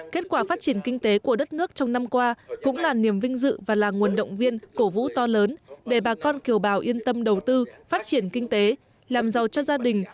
kết quả phát triển kinh tế của đất nước trong năm qua cũng là niềm vinh dự và là nguồn động viên cổ vũ to lớn để bà con kiều bào yên tâm đầu tư phát triển kinh tế làm giàu cho gia đình